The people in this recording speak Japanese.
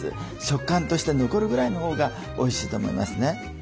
食感として残るぐらいのほうがおいしいと思いますね。